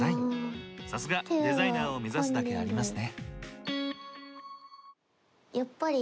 さすが、デザイナーを目指すだけありますね。